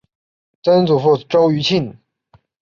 曾祖父周余庆。